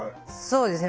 そうですね。